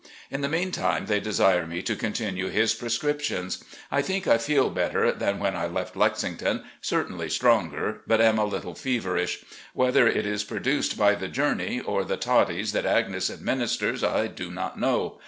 In the meantime they desire me to continue his prescriptions. I think I feel better than when I left Lexington, certainly stronger, but am a little feverish. Whether it is produced by the journey, or the toddies that Agnes administers, I do not know.